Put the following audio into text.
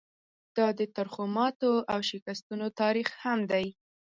دا د ترخو ماتو او شکستونو تاریخ هم دی.